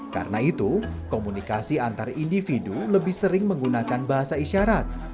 karena itu komunikasi antar individu lebih sering menggunakan bahasa isyarat